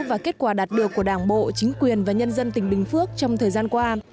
và kết quả đạt được của đảng bộ chính quyền và nhân dân tỉnh bình phước trong thời gian qua